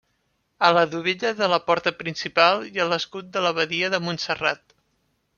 A la dovella de la porta principal hi ha l'escut de l'abadia de Montserrat.